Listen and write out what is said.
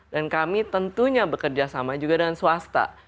dan kami tentunya bekerja sama juga dengan swasta